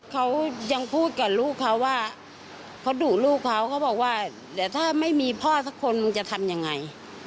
เขายังพูดกับลูกเขาว่าเขาดุลูกเขาเขาบอกว่าเดี๋ยวถ้าไม่มีพ่อสักคนมึงจะทำยังไง